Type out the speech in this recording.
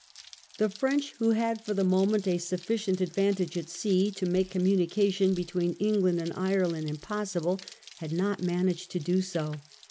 The French, who had for the moment a sufficient ad vantage at sea to make communication between England and Ireland impossible, had not managed to do so.